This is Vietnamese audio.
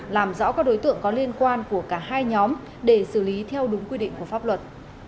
làm rõ các đối tượng có liên quan của cả hai nhóm để xử lý theo đúng quy định của pháp luật